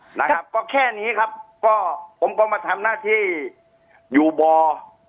นะครับก็แค่นี้ครับก็ผมก็มาทำหน้าที่อยู่บ่อ